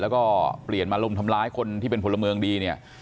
แล้วก็เปลี่ยนมาลุมทำร้ายคนที่เป็นพลเมืองดีเนี่ย